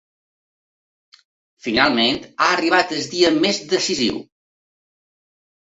Finalment, ha arribat el dia més decisiu.